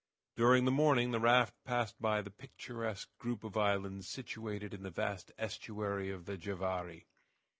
During the morning the raft passed by the picturesque group of islands situated in the vast estuary of the Javary.